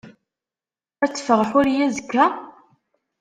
Ad teffeɣ Ḥuriya azekka?